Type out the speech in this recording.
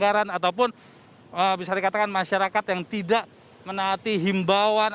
ataupun bisa dikatakan masyarakat yang tidak menaati himbauan